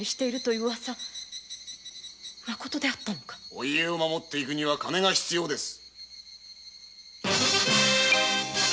お家を守るには金が必要です。